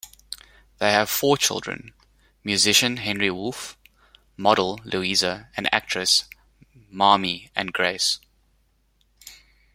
They have four children: musician Henry Wolfe, model Louisa, and actresses Mamie and Grace.